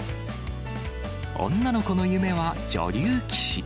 女の子の夢は、女流棋士。